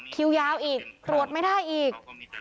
คิวยาวอีกตรวจไม่ได้อีก